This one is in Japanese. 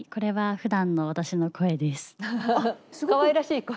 かわいらしい声。